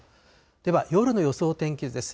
では、夜の予想天気図です。